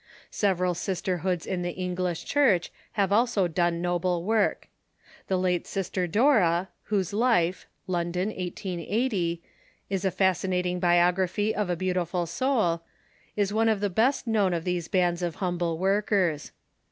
Several sisterhoods in the English Church have also done noble work. The late Sister Dora, whose life (London, 1880) is a fascinating biography of a beautiful soul, is one of the best known of these bands of humble workers.